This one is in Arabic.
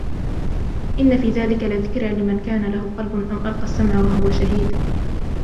إِنَّ فِي ذَلِكَ لَذِكْرَى لِمَنْ كَانَ لَهُ قَلْبٌ أَوْ أَلْقَى السَّمْعَ وَهُوَ شَهِيدٌ